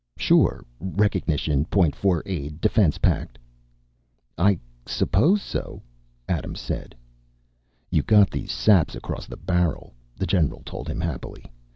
"Sure. Recognition. Point Four Aid. Defense pact." "I suppose so," Adams said. "You got these saps across the barrel," the general told him happily.